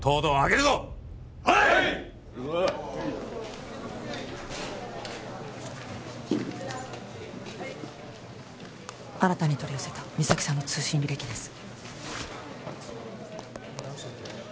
行くぞはい新たに取り寄せた実咲さんの通信履歴です